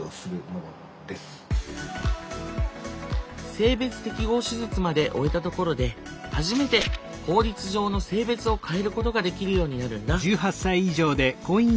性別適合手術まで終えたところで初めて法律上の性別を変えることができるようになるんだ。